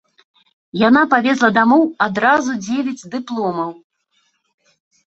Яна павезла дамоў адразу дзевяць дыпломаў.